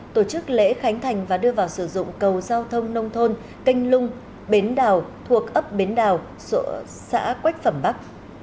tổ chức lễ khánh thành và đưa vào sử dụng cầu giao thông nông thôn canh lung bến đào thuộc ấp bến đào xã quách phẩm bắc